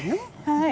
はい。